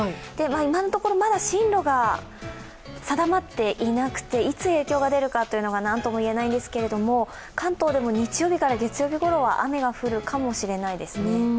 今のところまだ進路が定まっていなくて、いつ影響が出るかというのが何とも言えないんですけど、関東でも日曜日から月曜日頃は雨が降るかもしれないですね。